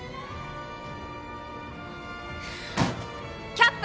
キャップ！